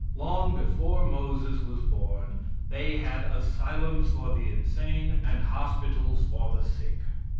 Long before Moses was born they had asylums for the insane and hospitals for the sick.